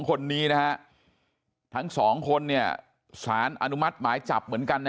คนนี้นะฮะทั้งสองคนเนี่ยสารอนุมัติหมายจับเหมือนกันนะ